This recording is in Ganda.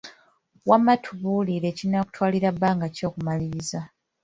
Wamma tubuulire, kinaakutwalira bbanga ki okumaliriza?